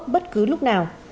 bất cứ lúc nào